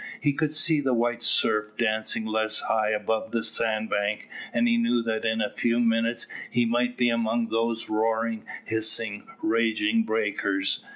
He could see the white surf dancing less high above the sandbank, and he knew that in a few minutes he must be among those roaring, hissing, raging breakers.